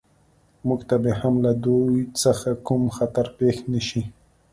موږ ته به هم له دوی څخه کوم خطر پېښ نه شي